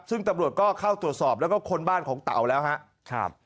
ซึ่งตำรวจก็เข้าตรวจสอบแล้วก็ค้นบ้านของเต๋าแล้วครับ